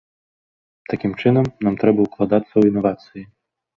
Такім чынам, нам трэба ўкладацца ў інавацыі.